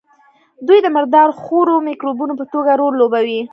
دوی د مردار خورو مکروبونو په توګه رول لوبوي.